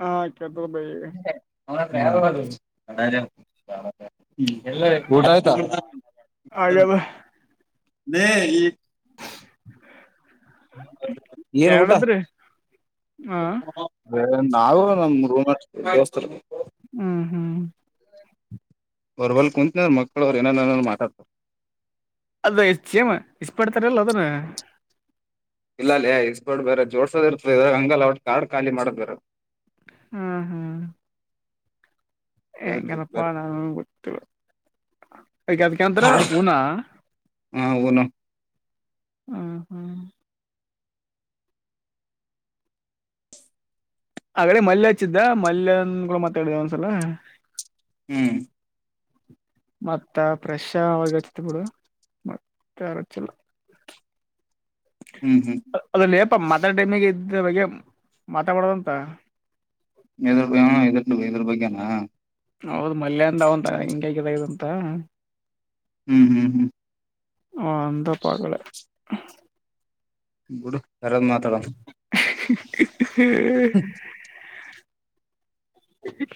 ಹಾ ಚೇತರ ಭೈಿ ಹ ಹ್ಮ ಎ ಹಾಗದ ನ ಈ ಏನ್ ಊಟ ಎರಡದ್ರಿ ಹ ನಾವು ನಮ ರೂ್ಸ್ ಹ್ಮ್ ಹ್ಮ್ ವರ್ವಲ್ ಕುಂತಿನ ಮಕ್ಕಳವರು ಏನಾದಾರನಾದರೂ ಮಾತಾಡ್ತಾರೆ ಅದ ಚೇಮ ಇಷ್ಟಪಡ್ತಾರಲ್ಲ ಅದನ್ ಇಲ್ಲ ಅಲ್ಲಯ ಇಸ್ ಬರ್ಡ್ ಬೇರೆ ಜೋಡ್ಸೋದ ಇರ್ತದೆ ಇದ್ರಾಗ ಹಂಗಲ್ಲ ಅವ ಕಾರ್ಡ್ ಖಾಲಿ ಮಾಡೋದ ಬೇರ ಹ್ಮ ಹಾ ಹೇಳ್ರಿ ಎಂಗನಪ್ಪ ಬೇರೆ ನಾನು ಕೊಟ್ಟ ಅಯಗ ಅದಕಂತ್ರ ಹಊನಾ ಹಾ ಹನು ಹ್ಮ ಹ್ಮ್ ಆಗಡೆೇ ಮಲ್ಯ ಹಚ್ಚಿದ್ದ ಮಲ್ಯನ್ ಕೂಡ ಮಾತಾಡಿದ ಒಂದ್ಸಲ ಹ್ಮ್ ಮತ್ತ ಫ್ರೆಶ್ ಒಚ್ತ್ ಬಿಡ ಮತ್ತ ಅರಚಿಲ್ಲ ಹ್ಮ್ ಹ್ಮ್ ಅಪ್ಪ ಮತ ಡಿಮಿಗೆ ಇದ್ದ ಬಗೆ ಮಾತ ಮಾಡಡೋದಂತ ಇದ್ರ ಬ ಇದ್ರ ಇದ್ರ ಬಗ್ಗೆನಾ ಹೌದು ಮಲ್ಯ್ಾವಂತ ಹೆಂಗ ಹಗಿದಂತ ಹ್ಮ್ ಹ್ಮ್ ಹ್ಮ್ ಹ ಅಂತ ಪಾಗಲ ಗುಡು ಯರದ್ ಮಾತಾಡ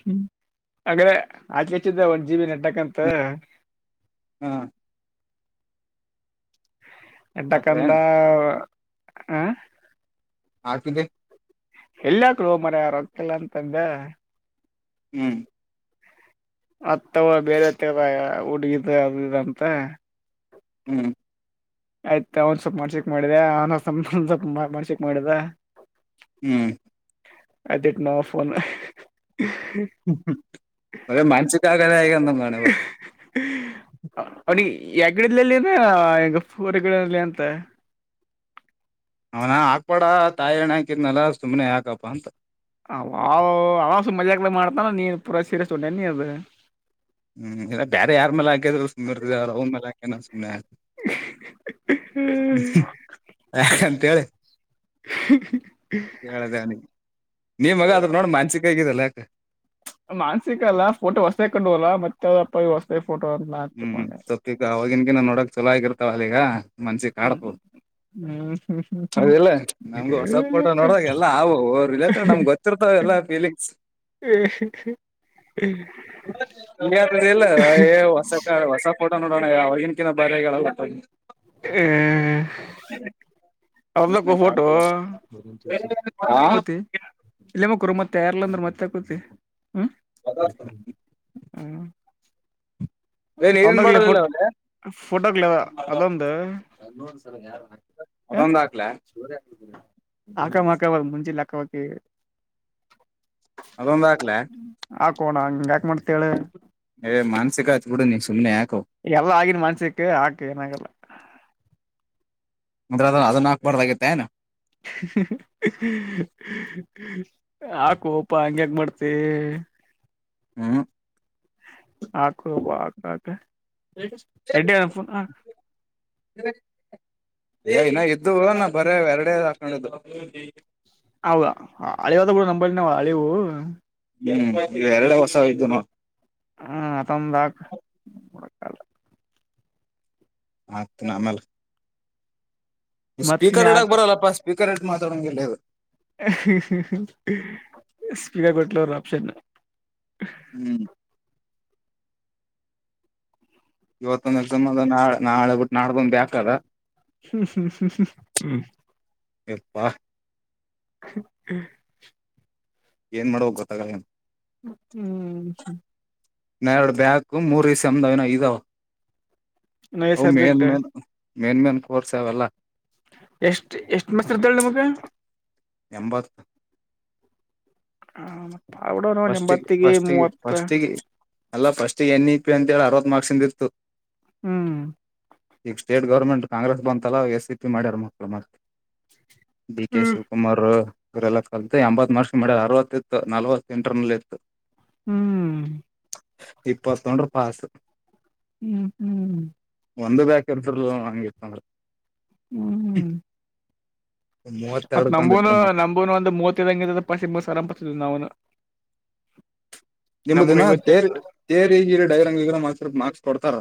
ಹ್ಮ ಅ್ರೆ ಆಕಚ್ಚಿದ್ದ ಒನ್ ಜಿ ಬಿ ನೆಟ್ಕ್ ಅಂತ ಹ್ಮ್ ಹಾಕಿದೆ ಡಕಂದ ಹ ಹತಿದ್ದ ಎಲ್ಲಯಾಕ್ಲ ಹ ಮರ ರೊಕ್ತಲ್ಲ ಅಂತಂದ ಹ್ಮ್ ಅತ್ತವ ಬೇರೆ ತರ ಹುಡುಗಿದ ಅದುಂತ ಹ್ಮ್ ಆಯ್ತ ಅವನ್ ಸ್ವಲ್ಪ ಮಾಡ್ಚೆಕ್ ಮಾಡಿದ ಅವ ಸ್ವಲ್ಪ ಮಾಡ್ಸೆಕ್ ಮಾಡಿದ ಹ್ಮ್ ಅದುಟ್ ನವು ಫೋನ್ ್ಮ ಒರೆ ಮನಸಿಕಾಗಲಾಯ ಅಂದಂಗಾಣುವ ಯಗಡಲ್ಲಿ ಅಂದ್ರ ಹೆಂಗ ೂರಗಡಲ್ಲಿ ಅಂತ ಅವನ ಹಾಕ್ಬಾಡ ತಾಯಿ ಎಣ್ಣ ಹಾಕಿದ್ನಲ್ಲ ಸುಮ್ನೆ ಹಾಕಪ್ಪ ಅಂತ ಅವ ಅವ ಮಜಾಗಲ ಮಾಡ್ತಾನ ನೀನ್ ಪೂರಾ ಸೀರಿಯಸ್ ಉಟೆ ನೀ ಅದು ಹ್ಮ್ ಇಲ್ಲ ಬೇಾರೆ ಯಾರ್ ಮಲಾಕಿದ್ರು ಸು್ಿರ್ದ ಅವ್ ಅವ್ರ ಮಲೆಾಕ ನ ಸು್ನೆ ಯಾಂತೇಳಿ ಕದ ನೀಮಗ ಅದ್ರ ನೋಡ ಮಾನ್ಸಿಕಗಿದೆಲ್ಲಾಕ ಮಾನ್ಸಿಕ ಅಲ್ಲ ಫೋಟೋ ಹೊಸೇ ಕೊಂಡವರಲ್ಲ ಮತ್ತೆ ಅವಪ್ಪ ಹೊಸ ಹ್ಮ್ ಸೊಪ್ಪಗ ಅವವಾಗಿನ್ಗಿಿನ ನೋಡಕ್ ಚಲೋ ಆಗಿರ್ತಾವ ಅಲ್ಲಿ ಈಗ ಮನ್ಷಿಗ್ ಹ್ಮ್ ಕಾಡ್ತ ಹ್ಮ್ ಅದಲ್ಲ ನಮ್ಗ ಹೊಸ ಪೋಟೋ ನೋಡದಾಗ ಎಲ್ಲ ಅವವು ಅವ ರಿಲೇಟ್ರಡ್ ನಮ್ಗೆ ಗೊತ್ತಿರ್ತಾವ ಲ್ಲ ಫೀಲಿಕ್ಸ್ ಹ್ಮ ಇಲ್ಲ ವಸಟಸ ಫೋಣ ಯ ಅವ್ರಗಿನ ಕಿಂತ ಬಾರಿ ಹ್ಮ ಅವ್ರದಕ್ಕ ಫೋಟೋ ಆ ಓತಿ ಇಮಕ್ಕೂರು ಮೆ ಮತ್ತೆ ಎಾರ್ಲ ಅಂದ್ರೆ ಮತ್ತೆ ಕೂತಿ ಹದ ಹ್ಮ ನೀರಿನ್ ಬಾಟಲ್ ಒಂದಾಗಲಿ ೋ ಇಲ್ಲ ಫೋಟಗ್ಲ ಅದೊಂದು ಮದಂದ ಆಕ್ಲ ಹಕ ಮಾಕ್ಕ ಅವ ಮುಂಜಿ ಲಕ್ಕವಾಕ್ಕೆ ಅದೊಂದ ಆಾಕ್ಲೆ ಕೋಣ ಹಂಗ್ಯಾಕ ಮಾಡ್ತಳ ನೀ ಮಾನ್ಸಿಕ ಆಯತ್ ಬಿುಡು ನೀ ಸುಮ್ನೆ ಯಾಕೆ ಎಲ್ಲಾ ಆಗಿನ ಮನ್ಸಕ್ ಆಾಕ್ ಏನಾಗಲ್ಲ ಅಂದ್ರೆ ಅದ ಅದದು ನಾಕಕ್ ಬಾರ ಆಗೆ ಹಾಕುವಪ ಹಂಗ್ಯಾಂಗ ಮಾಡ್ತಿ ಹ್ಮ ಆಕಬ ಆಕ ಏನ ಇದ್ದು ನ ಬರೇ ಎರಡ ಹಾಕೊಂಡದು ಹೌದಾ ಹಳಿವವದ ಕೂಡ ನಂಬ ನವು ಅಳಿವು ಹ್ಮ್ ಈ ಎರಡ ವರ್ಷ ಆಯ್ತುನು ಹ್ಮ ಹತ್ತೊಂದದಾಗಲ್ಲ ಆತ್ ನ ಆಮೇಲೆ ಮತ್ ನೀ ಸ್ೀಕರ್ ರೇಟ್ಾಗಿ ಹಾಕ್ ಬರಲ್ಲಪ್ಪಾ ಸ್ಪೀಕರ್ ರೇಟ್ ಮಾತಾಡೋಂಗಗೆಲ್ಲ ಅದು ಇದೇ ಬೆಟರ್ ಆಪ್ಷನ್ ಹ್ಮ್ ಇವತ್ತೊಂದು ಎಕ್ಸಾಮ್ ಇದೆ ನಾಳೆ ಬಿಟ್ಟು ನಾಡಿದ್ದ ಒಂದು ಬ್ಯಾಕ್ಲ ಇದೆ ಹ್ಮ ಹ್ಮ ಹ್ಮ ಹ್ಮ ಎಪ್ಪಾ ಹ್ಮ ಏನ್ ಮಾಡುವ ಗೊತ್ತಾಗ ಆಗಬಲ್ಲದು ಹ್ಮ್್ಮ ಎರಡು ಬ್ಯಾಕ್ ಮೂರ ಈ ಸೆಮಿಸ್ಟ ಇದಾವ ನಯ ಅವು main subject main main main course ಅವೆಲ್ಲ ಎಷ್ಟ ಎಷ್ಟು ಮಸ್ದಳ ನಿಮಗ ಎಂಬತ್ ಹ ಮ ಆಡ ಫಸ್ಟಿಗೆ ಎಂಬತ್ತಿಗೆ ಫಸ್ಟಿಗೆ ಮೂವತ್ತ ಫಸ್ಟಿಗೆ ಅಲ್ಲ ಫಸ್ಟ್ ಎನ್ ಇ ಪಿ ಅಂತೇಳಿ ಅರವತ್ ಮಾರ್ಕ್ಸ್ಿಂದ ಇತ್ತು ಹ್ಮ್ ಈಗ ಸ್ಟೇಟ್ ಗೌರ್ಮೆಂಟ್ ಕಾಂಗ್ರೆಸ್ ಬಂತಲ್ಲ ಎಸ್ ಸಿ ಪಿ ಮಾಡ್ಯಾರ ಮಕ್ಳು ಮತಿ ಡಿ ಕೆ ಹ್ಮ್ ಶಿವಕುಮಾರ್ ಇರೆಲ್ಲ ಕಲಿತ ಎಂಬತ್ ಮಾರ್ಕ್ಸ್ ಅರವತ್ತ ಇತ್ತು ನಲ್ವತ ಇಂಟರ್ನಲ್ ಇತ್ತು ಹ್ಮ್ ಇಪ್ಪ ತೊೊಂಡ್ರ ಪಾಸ್ ಹ್ಮ್ ಹ್ಮ್ ಒಂದು ಬಾಕಿ ಇರ್ತಾ ಇರಲಿಲ್ಲ ಹ್ಮ್ ಹ್ಮ್ ಮೂವತ್ತೆರಡು ಮತ್ತೇ ತಂದ ಇಟ್ರ ಮಾರ್ಕ್ಸ್ ನಮ್ಮದು ನೂ ಮೂವತ್ತು ಐದು ಇದ್ದರೆ ಪಾಸ್ ಆಗ್ಬಿಡ್ತಿತ್ತು ನಿಮ ನಮ್ಗ ದಿನ ಐವತ್ತೆಟ್ ತೇರಿ ತೇರಿ ಡೈರಂಗಕ್ ಮಾರ್ಕ್ಸ್ ಕೊಡ್ತಾರ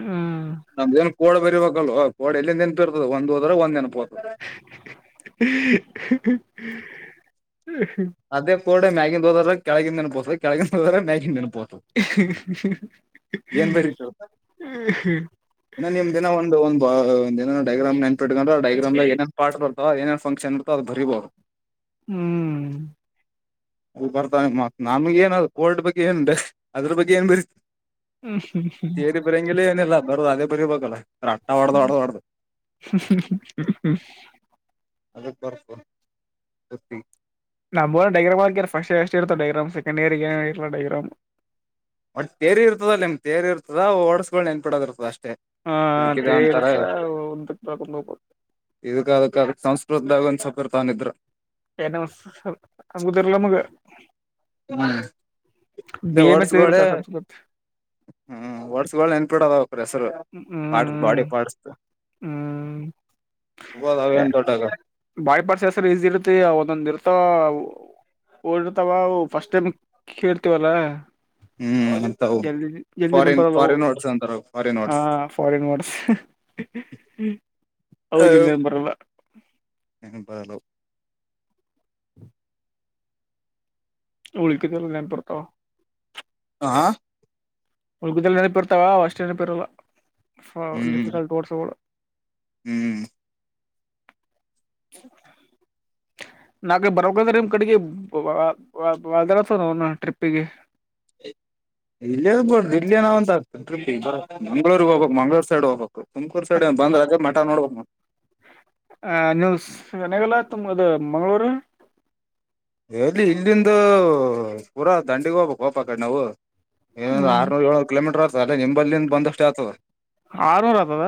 ಹ್ಮ್ ನಮ ಏನ್ ಕೋಡೆ ಬರಬೇಕಲ್ವ ಕೋಡ್ ಎಲ್ಲಿಂದ ಏನ್ಪರ್ತದೆ ಒಂದ್ ಹೋದ್ರೆ ಒಂದ್ ೆನಪತ ಅದೇ [inaudible] ಕೋಡ್ ಮೇಲಿಂದ ಹೋದರೆ ಕೆಳಗಿನ ನೆನಪು ಹೋಗುತ್ತೆ [inaudible] ಹ್ಮ್ಮ ಇನ್ನು ನಿಮ್ ದಿನ ಒಂದು ಒಂದು ಒ ಏ ಡಗ್ರಾಮ್ ನೆನಪಿಟ್ಕೊಂಡ್ರೆ ಏೇನ್ ಪಾಟ್ ಇರ್ತೋ ಏನನ್ ಫಕ್ಷನ್ ಇರುತ್ತೆ ಅಂತ ನೆನಪಿಟ್ಟುಕೊಂಡರೆ ಬರಬಹುದು ಹ್ಮ್ ಹ ಬರ್ತಾನ ಮ ನಮಗ ಏನ ಕೋರ್ಡ್ ಬಗ್ಗೆ ಏನ್ಟ ಅದ್ರ ಬಗ್ಗೆ ಏನ್ ಬರೀತ ಹ್ಮ್ ಯೆನು ಬರಂಗಿಲ್ಲ ಏನಲ್ಲ ಬರ ಅದೇ ಬರಿರ್ಬೇಕಲ್ಲ ಹ್ಮ ಅದು ಬರ್ಸು ಸತಿ [unintelligible] ಹೂ ಫಸ್ಟ್ ಇಯರ್ ಗೆ ಅಷ್ಟೇ ಡಯಾಗ್ರಾಂ ಇರುತ್ತವೆ ಸೆಕೆಂಡ್ ಇಯರ್ ಇರಲ್ಲ ಡೈಗ್ರಾಮ್ ಒಟ್ಟ ತೇರಿ ಇರ್ತದಲ್ಲ ನಿಮ್ ತೇರಿರ್ತದ ವರ್ಡ್ಸ್ ಗಳು ನೆನ್ಪಿಡದ ಇರ್ತದಷ್ಟ್ ಹಾ ತೇಸ ಒಂದಕ್ ಬಕೊಂಡ ಹೋಗಬ ಇದಕ್ಕ ಅಕ್ಕಾಗ ಸಂಸ್ಕೃತದಾಗ ಒಂದ ಸ್ವಲ್ಪ ಇರ್ತವೆ ಹಾಗಿದ್ದರೆ ನ ಸಂಗೂತಲ ಮುಗೆ [unintelligible] ಹ್ಮ್ ಎಸ್ ವರ್ಡ್ಸ್ ಇರುತ್ತ ಗಳೇ ಸಂಸ್ಕೃತ್ ಹೂ ವರ್ಡ್ಸ್ ಗಳೇ ಇಡ ಅದ ಪ್ರೆಸರ್ ಪಾರ್ಟಸ್ ಹ್ಮ್ ಬಾಡಿ ಪಾರ್್ಟಸ್ ಹ್ಮ್ [unintelligible] ಹೇಳಿಬಿದ ಅದು ಎನ್ ದೊಡ್ಡಹಗದ್ದು ಬೈಪಾಸ್ ಹೆಸರು ಈಜಿ ಇರ್ತಿ ಒಂದೊಂದ ಇರ್ತವ ಓಡರ್ತಾವವು ಫಸ್ಟ್ ಟೈಮ್ ಕೇಳ್ತವಲ್ಲ ಹ್ಮ್ ಅಂತವು ಜಿ ಜಲ್ಿ ಫಾರಿನ್ ನಂಬರ ಫಾರಿನ್ ವರ್ಡ್ಸ್ ಅಂತಾರ ಫಾರಿನ್ ಹ ವರ್ಡ್ಸ್ ಫಾರಿನ್ಸ್ [unintelligible] ಹೌದಿಂಗನ್ ಬರಲ್ಲ ಏನು ಬರಲ್ಲ ಅವು ಉಳಿಕಿದ್ದೆಲ್ಲ ನೆನಪಿರುತ್ತ ಹಾ ಹಲ್ಗಿದಲ್ಲಿ ನೆನಪಿ ಇರ್ತಾವ ಅಷ್ಟೇ ನೆನಪಿರಲ್ಲ ಹ್ಮ್ ಡಿಫಿಕಲ್ಟ್ ಓಡ್ಸ್ ಹ್ಮ್ [unintelligible] ನಾಕ ಬರಂದ್ರೆ ನಿಮ್ ಕಡೆಗೆದಾರ ನ ಟ್ರಿಪ್ಪಿಗೆ ಹ ಇಲ್ಲೇಬೋಡ್ದ ಇಲ್ಲಿೇನಾವ ಅಂತ ಆಗ್ತದೆ ಟ್ರಿ ಮಂಗಳೂರ್ಗ್ ಹೋಗಬೇಕಕ್ ಮಂಗಗಳೂರ್ ಸೈಡ್ ಹೋಗ್ಬೇಕಕ್ ತುಮಕೂರು ಸೈಡ್ ಬಂದ್ ಹಾಗೆ ಮಠ ನೋಡ್ಬೇಕು ಮ ಆ ನೀನ್ೂಸ್ ಮನೆಗಲ್ಲ ತುಮ ಅದು ಮಂಗ್ಗಳೂರು ಎಲ್ಲಿ ಇಲ್ಲಿಂದ ಪೂರಾ ದಂಡಿಗ ಹೋಗ ಕೋಪ ಕಡೆ ನಾವು ಏನಂದು ಹ್ಮ್ ಆರ್ನೂರು ಏಳ್ನೂರು ಕಿಲೋಮೀಟರ್ ಆತದೆ ಅಲ್ಲ ನಿಂಬಲ್ಲಿಂದ ಬಂದಷ್ಟೇ ಆಗ್ತದೆ ಆರವರ ಅತದ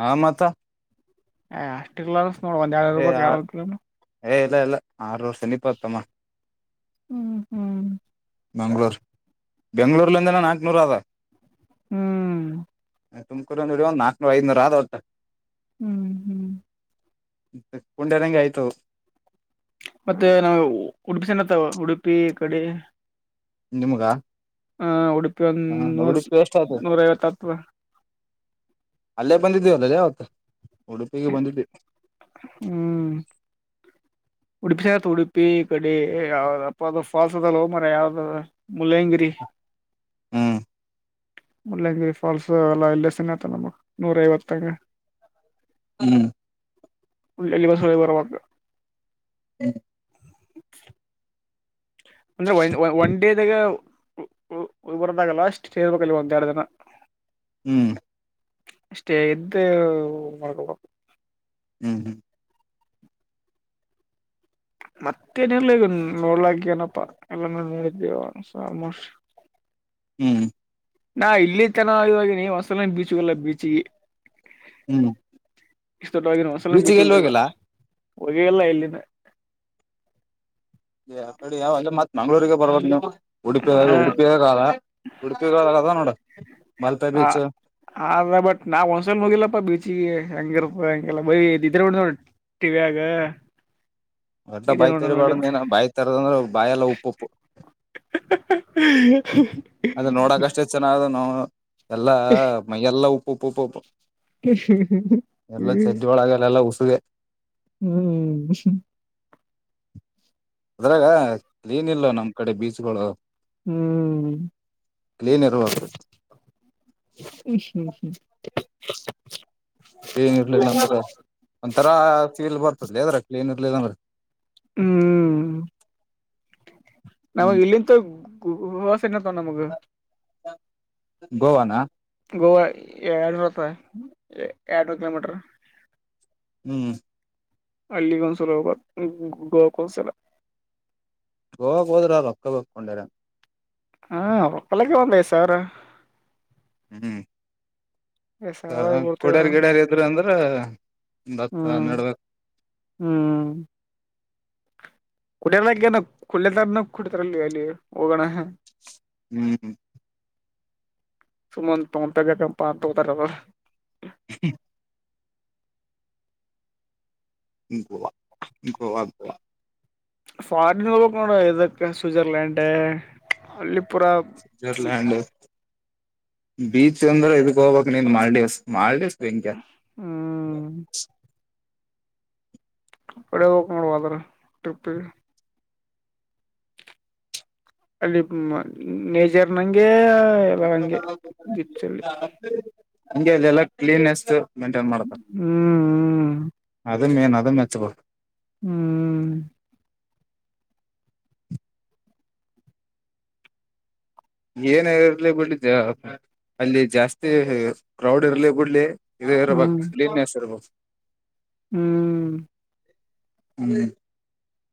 ಹಾ ಮತ್ತ ಹಾ ಅಷ್ಟ ಇಲ್ಲಾರನ್ ನೋಡು ಒಂದು ಎರಡು ನೂರು ಕಿಲೋಮೀಟರ್ ಹೇ ಇಲ್ಲ ಇಲ್ಲ ಆರು ಸಮೀಪ ಆಯ್ತಾ ತಮ್ಮ ಹ್ಮ್ ಹ್ಮ್ ಮಂಗಳೂರ್ ಬೆಂಗ್ಳೂರ್ಲಿಂದನ ನಾಲ್ಕುನೂರು ಅದ ಹ್ಮ್ ತುಮಕೂರು ಒಂದು ನಾಕಕ್ನೂರ ಐದು ನೊರ್ ಆದ ಒಟ್ಟು ಹ್ಮ್ ಹ್ಮ್ ಕುಡರಂಗಗೆ ಆಯ್ತು ಮತ್ತೆ ನಾವ್ ಉಡುಪಿ [unintelligible] ಉಡುಪಿ ಕಡೆ ನಿಮ್ಗ ಹ್ಮ್ ಉಡುಪಿ ಒಂದ ಹ ನೂರ್ ಉಡುಪಿ ಎಷ್ಟ ಆಯ್ತು ನೂರ ಐವತ್ತ್ ಆಯ್ತದ ಅಲ್ಲೇ ಬಂದಿದೀವಿ ಅವತ್ ಉಡುಪಿಗೆ ಬಂದಿವಿ ಹ್ಮ್ ಉಡುಪಿ ಉಡುಪಿ ಈ ಕಡೆ ಯಾವದಪ್ಪ ಅದು ಫಾಲ್ಸ್ ಅದಲ್ಲೊ ಮಾರಾಯ ಯಾವದಾದು ಮುಳ್ಳಯ್ಯನಗಿರಿ ಹ್ಮ್ ಮುಳ್ಳಯ್ಯನಗಿರಿ ಫಾಲ್ಸ್ ಎಲ್ಲ ಇಲ್ಲೇ [unintelligible] ನಮ್ಗೆ ನೂರ ಐವತ್ತಂಗ ಹ್ಮ್ [unintelligible] ಹ್ಮ್ ಅಂದ್ರೆ ಒನ್ ಡೇ ದಾಗ ಬರದಾಗಲ್ಲ ಅಷ್ಟು ಕೇಳ್ಬೇಕು ಒಂದೆರಡು ದಿನ ಹ್ಮ್ ಅಷ್ಟೇ ಇದ್ದು ಮಾಡ್ಕೊಬೇಕು ಹ್ಮ್ ಹ್ಮ್ ಮತ್ತೇನಿಲ್ಲ ನೋಡ್ಲಕ್ಕ ಏನಪ್ಪಾ ಎಲ್ಲಾನ ನೋಡಿದ್ದೇವ ಆಲ್ಮೋಸ್ಟ್ [inaudible] ಹ್ಮ್ ನಾ ಇಲ್ಲಿ ತನ ಇವಾಗ ನೀ [unintelligible] ಬೀಚ್ಗಲ್ಲ ಬೀಚಿಗೆ ಹ್ಮ್ ಇಷ್ಟು ದೊಡ್ಡವನು ಆಗೀನಿ ಒಂದು ಸಾಲನ್ನು ಬೀಚ್ ಬೀಚಿಗೆ ಎಲ್ಲಿ ಹೋಗಿಲ್ಲ ಹೋಗೆ ಇಲ್ಲ ಇಲ್ಲಿನ ಆ ಕಡೆ ಯಾವ ಅಲ್ಲ ಮತ್ ಮಂಗ್ಗಳೂರಿಗೆ ಬರ್ವ ನೀವು ಉಡುಪಿಯ ಉಡುಪಿಯ ಕಾಲ ಉಡುಪಿ ಕಾಲದ ನೋಡ ಮಲ್ಪೆ ಹ ಬೀಚ್ ಆದ ಬಟ್ ನಾವ್ ಒಂದ್ಸಲ ಹೋಗಿಲ್ಲಪ್ಪ ಬೀಚಿಗೆ ಹೆಂಗಿರತ್ತ [unintelligible] ಭಾಯ್ [unintelligible] ಟಿವಿಯಾಗ ಒಟ್ಟ ಬಾಯಿ ತರಿಬೇಡ ನೀನ್ ಬಾಯಿ ತರದಂದ್ರ ಬಾಯೆಲ್ಲ ಉಪ್ಪು ಉಪ್ಪು [unintelligible] ಅದು ನೋಡಕ್ ಅಷ್ಟ [unintelligible] ಎಲ್ಲಾ ಮೈ ಎಲ್ಲಾ ಉಪ್ಪು ಉಪ್ಪು ಉಪ್ಪು ಉಪ್ಪು ಎಲ್ಲಾ ಚಡ್ಡಿ ಒಳಗೆಲ್ಲ [unintelligible] ಹ್ಮ್ [unintelligible] ಅದ್ರಾಗ ಕ್ಲಿನ್ ಇಲ್ಲೋ ನಮ್ಮ್ ಕಡೆ ಬೀಚ್ಗಳು ಕ್ಲಿನ್ ಇರ್ಬೇಕು [unintelligible] ಕ್ಲೀನ್ ಇರ್ಲಿಲ್ಲ ಅಂದ್ರೆ [inaudible] ಒಂತರಾ ಫೀಲ್ ಬರ್ತದಲ್ಲೆ ಅದ್ರ ಕ್ಲೀನ್ ಇರ್ಲಿಲ್ಲಂದ್ರೆ ಹ್ಮ್ ನಮಗ್ ಹ್ಮ್ ಇಲ್ಲಿಂತ ನಮಗ [inaudible] ಗೋವಾನ ಗೋವಾ ಏಳ್ನೂರುತ್ತ ಎರಡ್ನೂರು ಕಿಲೋಮೀಟರ್ ಹ್ಮ್ ಅಲ್ಲಿಗೊಂದುಸಲ ಹೋಗ್ಬೇಕ್ [inaudible] ಗೋವಾಕ್ಕೆ ಒಂದಸಲ ಗೋವಾ ಹೋದ್ರ ರೊಕ್ಕ ಬಕೊಂಡರ. ಹಾಕ್ಕಲಕ್ಕೆ ಒಂದ ಸಾವಿರ.. ಹ್ಮ್. ಐದ್ ಸಾವಿರ ಬರ್ತೇವ್ರ ಕೊಡ್ಯಾರ್ ಗಿಡಾರ್ ಇದ್ರರು ಅಂದ್ರ.. ಒಂದ್ ಹತ್ ಹ್ಮ್ ಹನ್ನೆರಡು ಹ್ಮ್.. ಕುಡದ ನ ಕುುಡದ ನ ಕುಟ್ಟತಲ್ಲಿ ಅಲ್ಲಿ ಹೋಗೋಣ. ಹ್ಮ್ ಸುಮನ್ ಪಂತಗಕ ಪಾಂತದ.. [unintelligible] [unintelligible] ಫಾರಿನ್ ಕ ಇದದಕ್ಕ ಸ್ವಿಜರ್ಲ್ ಲ್ಯಾಂಡರ್ ಅಲ್ಲಿ.. ಪುರ ಸ್ವಿಟ್ಜರ್ಲ್ಯಾಂಡ್ ಬಿಚ್.. ಬೀಚ್ ಅಂದ್ರೆ ಇದಕ್ ಹೋಗ್ಬೇಕಕ್ ನಿಂದ ಮಾಲ್ಡೀವ್ಸ್ ಮಾಲ್ಡೀವ್.. ಹ್ಮ.. ಕಡೆ ಹೋಗಕ್ ಮಾಡೋಬದ್ರ ಟ್ರಿಪ್ಪಿಗೆ. ಅಲ್ಲಿ ನೇಜರ್ ನಂಗೆ. ಎಲ್ಲ ಹಂಗೆ ಗಿಚ್ಚಲ್ಲಿ ಇ. ಹ ಅಲ್ಲ ಕ್ಲೀಸ್ ಮಂಟೈನ್ ಮಾಡ್ತಾರೆ.. ಹ್ಮ್ ಅ ಮೇನ್ ಅದ ಮೆಚ್ಚ. ಹ್ಮ್.. ಏನ ಇರ್ಲಿ ಬಿಡ್ಲಿ ಅಲ್ಲಿ ಜಾಸ್ತಿ ಕ್ರೌಡ್ ಇರ್ಲಿ ಬಿಡ್ಲಿ. ಇ ಇರಬೇಕು ಹ್ಮ್ ಲೀನ್ಯಸ್ ಇರಬು.. ಹ್ಮ್.. ಹ್ಮ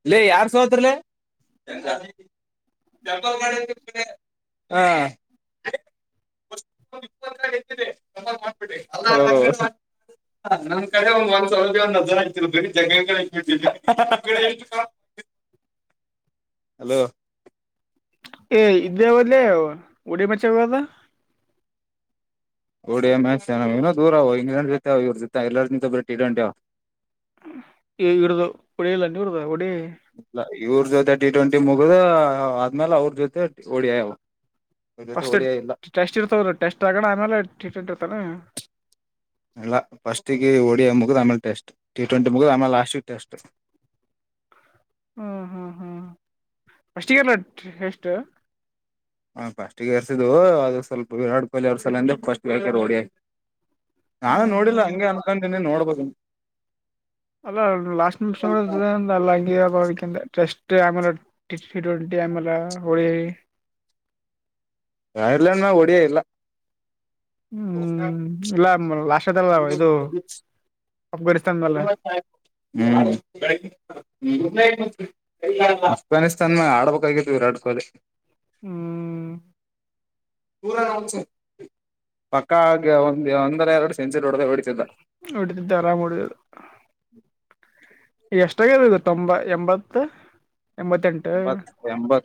ಇಲ್ಲ ಯಾರ್ ಸೋತ್ರಲ್ಲ.. ಹಾ. [unintelligible] ಹ ನಮ್ ಕಡೆ ಒಂದ್ ಒಂದ್ ಸೌಭ್ಯ ಒಂದ್ಜರ ಆಗ್ತಿರ ಬ ಜಬಟ್ಟ.. ಹಲೋ.. ಏ ಇದೇ ಒಲ ಉಡಿಮಚ್ಚ ಇದ.. ಡಿಯ ಮ್ಯಾಚ್ ನ ಇನೋ ದೂರ ಅವ ಇಂಗ್ಲೆಂಡ್ ಜೊತೆ ಇವ್ರ ಜೊತೆ ಎಲ್ಲಾರ ನಿಿಂದ ಬರ ಇಡಂಟ.. ಇಡದು ಒಡೆಯಲ್ಲ ಉಡದ ಒಡ.. ಇವ್ರ ಜೊತೆ ಟಿ ಟ್ವೆಂಟಿ ಮುಗುದ ಆದ್ಮೇಾಲ ಅವ್ರ ಜೊತೆ ಹೊಡ್ಯ.. ಫಸ್ ಟೆಸ್ಟ್ ಇರ್ತವ್ರ ಟೆಸ್ಟ್ ಆಗೋಣ ಆಮೇಲೆ ಟ್ರೀಟ್ಮೆಂಟ್ ಇರ್ತಾನ.. ಎಲ್ಲ ಫಸ್ಟಿಗೆ ಓಡಿಯಾ ಮುಗಿದ್ ಆಮೇಲೆ ಟೆಸ್ಟ್ ಟಿ ಟ್ವೆಂಟಿ ಮುಗಿದ್ ಆಮೇಲೆ ಲಾಸ್ಟ್ ಟೆಸ್ಟ್.. [unintelligible] ಹ್ಮ್ ಹ್ಮ್ ಹ್ಮ್ ಅಷ್ಟಿಗೆಲ್ಲ ಎಷ್ಟು.. ಹ ಫಸ್ಟ್ ಎರ್ಸಿದ್ ಅದು ಸ್ವಲ್ಪ ವಿರಾಟ್ ಕೊಹ್ಲಿ ಅವ್ರ ಸಲ ಅಂದ್ರೆ ಸ್ಟ್ ಹರ್ತ ಡಿ.. ನಾನು ಹ್ಮ್ ನೋಡಿಲ್ಲ ಹ್ಮ್ ಹಂಗೆ ಅನ್ಕೊಂಡತೀನಿ ನೋಡ್ಬೋದು.. ಅಲ್ಲ ಲಾಸ್ಟ್ ನಿಮಿಷ ನಡ ಅಲ್ಲ ಅಂಗೀಭಾವಿಕಿಂದೆ.. ಟಸ್ಟ್ ಆಮ ಫಿ ವೆಂಟಿ ಆಮ ಹಳ. [unintelligible] ಐರ್ಲೆಯಾಂಡ್ ನ ಒಡಿಐ ಇಲ್ಲ.. ಹ್ಮ್ ಇಲ್ಲ ಲಾಸ್ದಲ್ಲ ಇದು.. ಅಫ್ಘಾನಿಸ್ತಾನ್ ಮೇಲೆ [unintelligible] ಅಫ್ಘಾನಿಸ್ತಾನ ಮ ಆಡ್ಬೇಕಾಗಿತ್ತು ವಿರಾಟ್ ಕೊಹ್ಲಿ.. ಹ್ಮ್. ಪಕ್ಕ ಆ ಆಗ ಒಂದರ ಎರಡು ಸೆಂಚುರಿ ಹೊಡೆದ ಹೊಡಿತಿದ್ದ.. ಒಡಿದಿದ್ದ ಅರಾಮ್ ಒಡಿದಿದ್ದ.. ಎಷ್ಟಾಗದದು ತೊಂಬ ಎಂಬತ್ ಎಂಬತ್ತೆಂಟು ಎಂಬತ್ ಎಂಬತ್